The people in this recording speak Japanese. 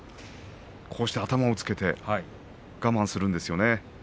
こうして頭をつけて我慢をするんですよね。